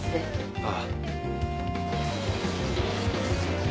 ああ。